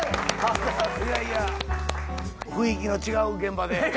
いやいや雰囲気の違う現場で。